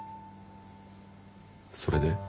それで？